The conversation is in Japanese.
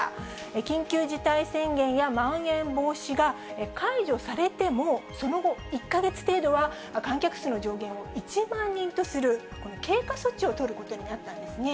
緊急事態宣言やまん延防止が解除されても、その後、１か月程度は観客数の上限を１万人とする経過措置を取ることになったんですね。